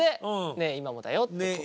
「ねぇ、今もだよ」って。